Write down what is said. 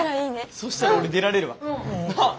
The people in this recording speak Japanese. そしたら俺出られるわ。なあ。